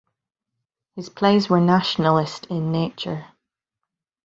His plays were nationalist in nature.